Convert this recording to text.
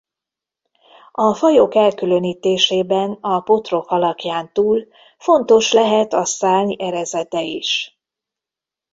A fajok elkülönítésében a potroh alakján túl fontos lehet a szárny erezete is.